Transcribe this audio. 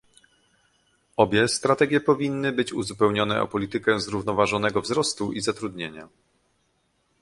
Obie strategie powinny być uzupełnione o politykę zrównoważonego wzrostu i zatrudnienia